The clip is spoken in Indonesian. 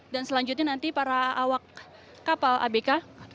dan selanjutnya nanti para awak kapal abk